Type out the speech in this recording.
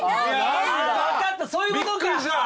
分かったそういうことか！